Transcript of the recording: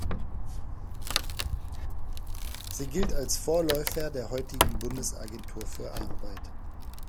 Sie gilt als Vorläufer der heutigen Bundesagentur für Arbeit.